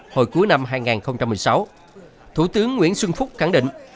hồi cuối năm hai nghìn một mươi sáu thủ tướng nguyễn xuân phúc khẳng định